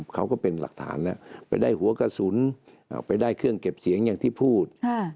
ก็เป็นหลักฐานแล้วไปได้หัวกระสุนไปได้เครื่องเก็บเสียงอย่างที่พูด